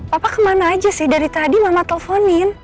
papa kemana saja sih dari tadi mama telponin